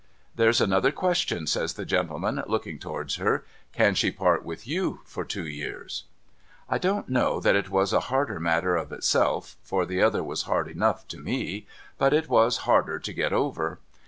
' Tliere's another question,' says the gentleman, looking towards her, —' can she part with you for two years ?' I don't know that it was a harder matter of itself (for the other was hard enough to me), but it was harder to get over.